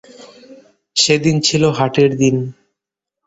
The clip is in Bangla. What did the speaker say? সে দিন ছিল হাটের দিন।